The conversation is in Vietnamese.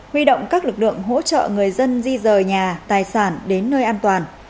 huy động các lực lượng hỗ trợ người dân di rời nhà tài sản đến nơi an toàn